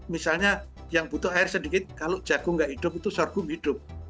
misalnya yang butuh air sedikit kalau jagung nggak hidup itu sorghum hidup